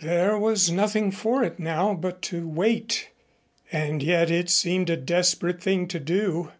There was nothing for it now but to wait. And yet it seemed a desperate thing to do.